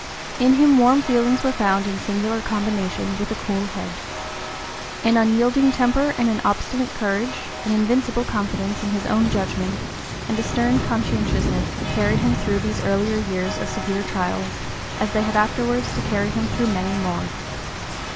In him warm feelings were found in singular combination with a cool head. An unyielding (p. 034) temper and an obstinate courage, an invincible confidence in his own judgment, and a stern conscientiousness carried him through these earlier years of severe trial as they had afterwards to carry him through many more.